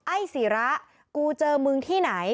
ไอ้ศิระกูเจอมึงที่ไหน